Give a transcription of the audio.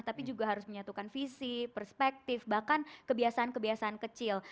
tapi juga harus menyatukan visi perspektif bahkan kebiasaan kebiasaan kecil